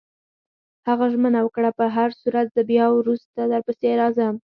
هغه ژمنه وکړه: په هرصورت، زه بیا وروسته درپسې راځم.